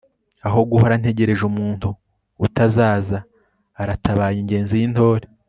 aho guhora ntegereje umuntu utazazaaratabaye ingenzi y'intore